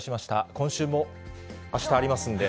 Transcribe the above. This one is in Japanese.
今週も、あしたありますので、